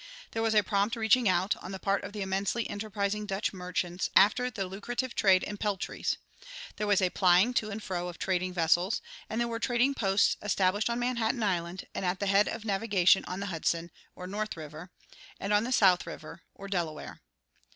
There was a prompt reaching out, on the part of the immensely enterprising Dutch merchants, after the lucrative trade in peltries; there was a plying to and fro of trading vessels, and there were trading posts established on Manhattan Island and at the head of navigation on the Hudson, or North River, and on the South River, or Delaware.